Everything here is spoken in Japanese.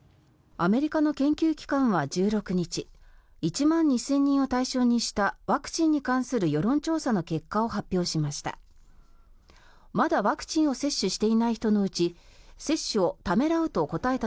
アメリカの研究機関は１６日１万２０００人を対象にしたワクチンに関する世論調査の結果を発表しました。